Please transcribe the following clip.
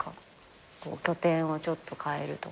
拠点をちょっと変えるとか。